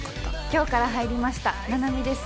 今日から入りました菜々美です。